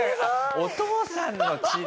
お父さんの血だ。